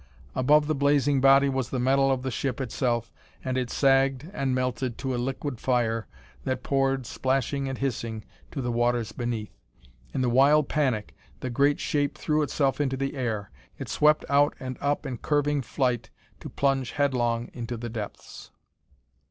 Above the blazing body was the metal of the ship itself, and it sagged and melted to a liquid fire that poured, splashing and hissing, to the waters beneath. In the wild panic the great shape threw itself into the air; it swept out and up in curving flight to plunge headlong into the depths....